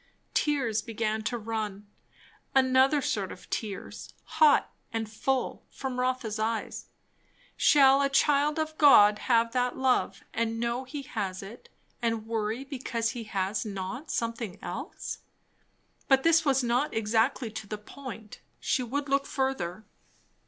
Tears began to run, another sort of tears, hot and full, from Rotha's eyes. Shall a child of God have that love, and know he has it, and worry because he has not somewhat else? But this was not exactly to the point. She would look further.